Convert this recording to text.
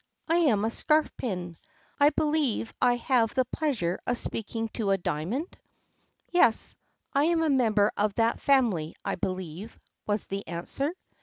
"I am a scarf pin. I believe I have the pleasure of speaking to a diamond?" "Yes, I am a member of that family, I believe," was the answer.